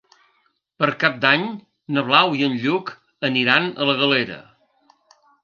Per Cap d'Any na Blau i en Lluc aniran a la Galera.